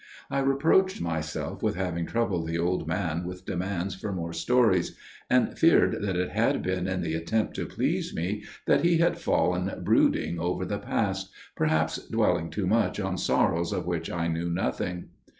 I reproached myself with having troubled the old man with demands for more stories; and feared that it had been in the attempt to please me that he had fallen brooding over the past, perhaps dwelling too much on sorrows of which I knew nothing.